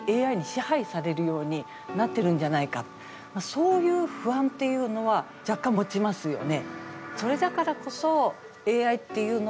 そういう不安というのは若干、持ちますよね。